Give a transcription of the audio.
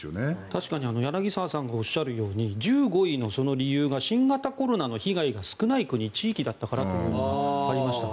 確かに柳澤さんがおっしゃるように１５位の理由が新型コロナの被害が少ない国・地域だったからというのがありました。